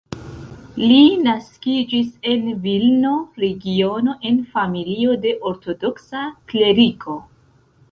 Li naskiĝis en Vilno-regiono en familio de ortodoksa kleriko.